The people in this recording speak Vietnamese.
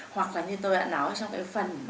hoặc là như tôi đã nói trong cái phần